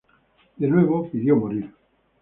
De nuevo, pidió morir.